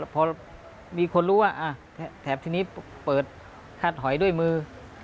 พอมีคนรู้ว่าแถบที่นี้เปิดคาดหอยด้วยมือ